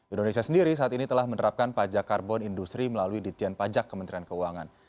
indonesia sendiri saat ini telah menerapkan pajak karbon industri melalui ditjen pajak kementerian keuangan